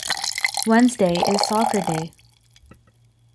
Wednesday is soccer day.